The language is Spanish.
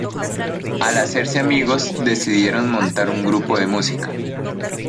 Al hacerse amigos, decidieron montar un grupo de música.